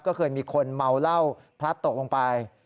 ก็เคยมีคนเมาเหล้าพลัดตกลงไป